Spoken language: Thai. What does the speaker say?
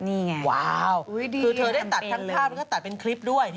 นี่ไงว้าวคือเธอได้ตัดทั้งภาพแล้วก็ตัดเป็นคลิปด้วย